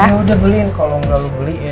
ya udah beliin kalau nggak lu beliin